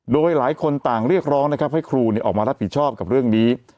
โดยหลายคนต่างเรียกร้องนะครับให้ครูออกมารับผิดชอบกับเรื่องนี้